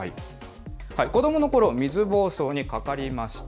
子どものころ水ぼうそうにかかりました。